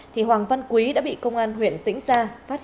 thì hoàng văn quý đã bị công an huyện tĩnh gia phát hiện